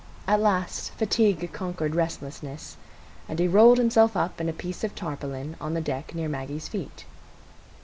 At last fatigue conquered restlessness, and he rolled himself up in a piece of tarpaulin on the deck near Maggie's feet.